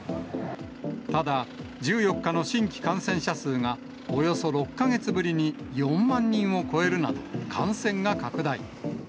ただ、１４日の新規感染者数が、およそ６か月ぶりに４万人を超えるなど感染が拡大。